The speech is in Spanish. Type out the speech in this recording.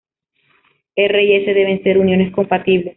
R y S deben ser "uniones compatibles".